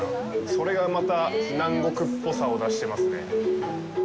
それがまた南国っぽさを出してますね。